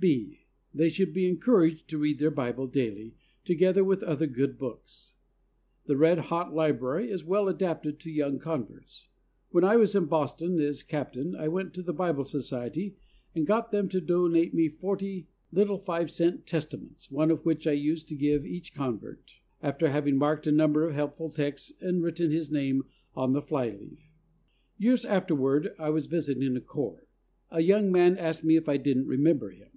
(b.) They should be encouraged to read their Bible daily, together with other good books. The Red Hot Library is well adapted to young converts. When I was in Boston as Captain I went to the Bible Society and got them to donate me forty little five cent Testaments, one of which I used to give each convert, after having marked a number of helpful texts and written his name on the KEEPING THE FLOCK. 121 fly leaf. Years afterward I was visiting a corps. A young man asked me if I didn't remember him.